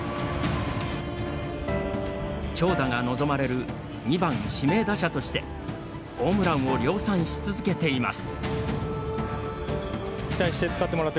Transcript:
長打が望まれる２番・指名打者としてホームランを量産し続けています。